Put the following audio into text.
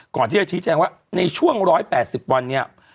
ก่อนที่จะชี้แจงว่าในช่วง๑๘๐วันเนี่ย